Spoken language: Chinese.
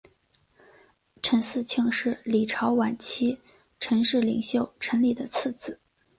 陈嗣庆是李朝晚期陈氏领袖陈李的次子。